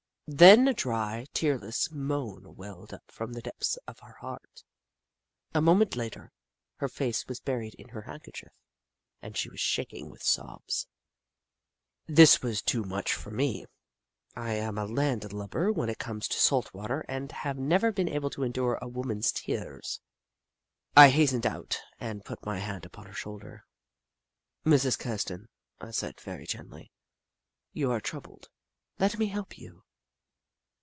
Then a dry, tearless moan welled up from the depths of her heart. A moment later, her face was buried in her handkerchief, and she was shaking with sobs. Snoof 65 This was too much for me. I am a land lubber when it comes to salt water, and have never been able to endure a woman's tears. I hastened out and put my hand upon her shoulder, " Mrs. Kirsten," I said, very gently, you are troubled. Let me help you